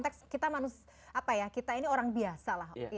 teks kita manusia apa ya kita ini orang biasa lah